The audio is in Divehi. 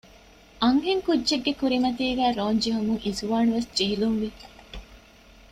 އަންހެންކުއްޖެއްގެ ކުރިމަތީގައި ރޯންޖެހުމުން އިޒުވާނުވެސް ޖެހިލުންވި